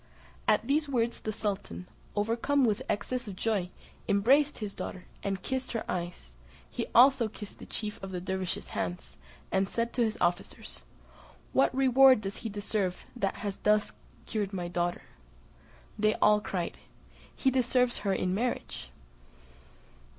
At these words the sultan, overcome with excess of joy, embraced his daughter, and kissed her eyes; he also kissed the chief of the dervises' hands, and said to his officers, "What reward does he deserve that has thus cured my daughter?" They all cried, "He deserves her in marriage."